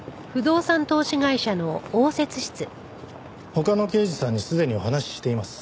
他の刑事さんにすでにお話ししています。